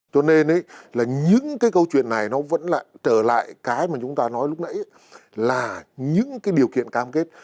cho nên là những cái câu chuyện này nó vẫn lại trở lại cái mà chúng ta nói lúc nãy là những cái điều kiện cam kết